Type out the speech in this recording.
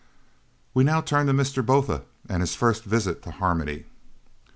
We now turn to Mr. Botha and his first visit to Harmony.